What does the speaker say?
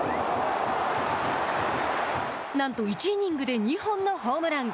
なんと１イニングで２本のホームラン。